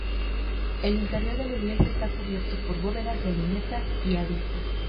El interior de la iglesia está cubierto por bóvedas de lunetas y aristas.